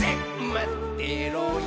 「まってろよ！」